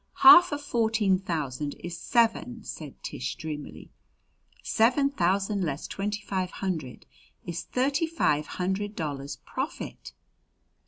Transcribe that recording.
"Half of fourteen thousand is seven," said Tish dreamily. "Seven thousand less twenty five hundred is thirty five hundred dollars profit."